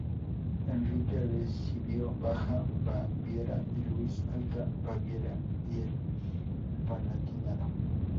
Enrique recibió Baja Baviera y Luis Alta Baviera y el Palatinado.